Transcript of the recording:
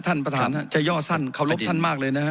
ท่านประธานฮะจะยอดสั้นขอโทษท่านมากเลยนะฮะ